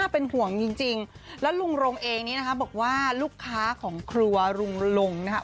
เป็นห่วงจริงแล้วลุงรงเองนี้นะคะบอกว่าลูกค้าของครัวลุงลงนะคะ